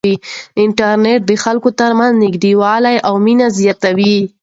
انټرنیټ د خلکو ترمنځ نږدېوالی او مینه زیاتوي.